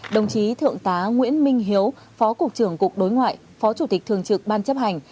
đồng chí thượng tá nguyễn minh hiếu phó cục trưởng cục đối ngoại phó chủ tịch thường trực ban chấp hành